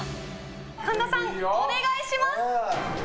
神田さん、お願いします！